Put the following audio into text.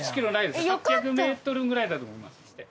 ８００メートルぐらいだと思います。